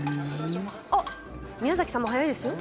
宮崎さんも早いですよ。